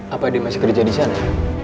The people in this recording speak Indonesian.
apa dia masih kerja disana